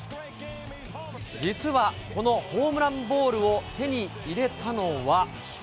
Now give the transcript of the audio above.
実はこのホームランボールを手に入れたのは。